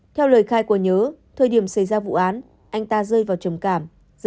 theo lời khai của nhớ thời điểm xảy ra vụ án anh ta rơi vào trầm cảm